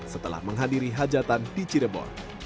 setelah menghadiri hajatan di cirebon